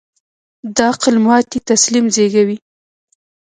د عقل ماتې تسلیم زېږوي.